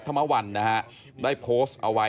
ก็ต้องมาถึงจุดตรงนี้ก่อนใช่ไหม